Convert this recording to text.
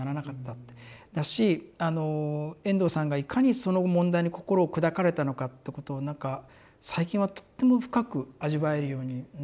だし遠藤さんがいかにその問題に心を砕かれたのかってことをなんか最近はとっても深く味わえるようになった。